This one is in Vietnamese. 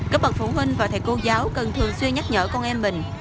các bậc phụ huynh và thầy cô giáo cần thường xuyên nhắc nhở con em mình